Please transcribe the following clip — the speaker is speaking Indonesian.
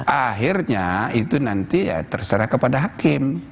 akhirnya itu nanti ya terserah kepada hakim